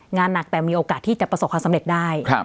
งานหนักแต่มีโอกาสที่จะประสบความสำเร็จได้